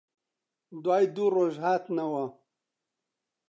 دوای دوو ڕۆژ هاتنەوە